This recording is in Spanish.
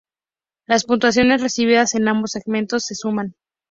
Las puntuaciones recibidas en ambos segmentos se suman.